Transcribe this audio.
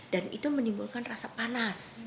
dan itu menimbulkan rasa panas